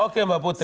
oke mbak putri